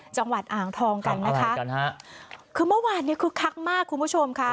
จังหวัดอ่างทองกันนะคะกันฮะคือเมื่อวานเนี้ยคึกคักมากคุณผู้ชมค่ะ